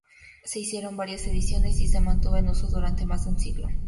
Se hicieron varias ediciones y se mantuvo en uso durante más de un siglo.